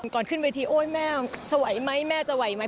ก่อนขึ้นเวทีโอ๊ยแม่สวัยไหมแม่จะไหวไหม